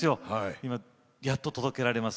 今、やっと届けられます。